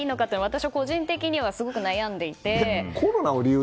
私は個人的にはすごく悩んでいて。